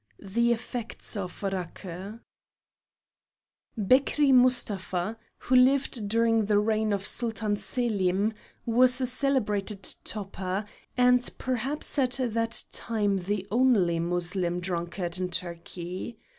THE EFFECTS OF RAKI Bekri Mustafe, who lived during the reign of Sultan Selim, was a celebrated toper, and perhaps at that time the only Moslem drunkard in Turkey.